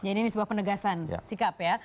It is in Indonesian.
ini sebuah penegasan sikap ya